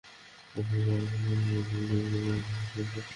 বলছিলাম, উনাদের বন্ধুরা এসে যেন আমাদের উদ্ধার করে নিয়ে যায়।